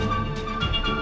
kok rina belum tidur